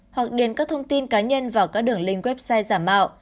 hoặc điền các thông tin cá nhân vào các đường link website giả mạo